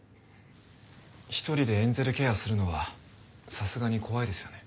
１人でエンゼルケアするのはさすがに怖いですよね。